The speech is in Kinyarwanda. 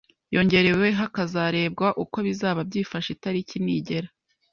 yongerewe hakazarebwa uko bizaba byifashe itariki nigera.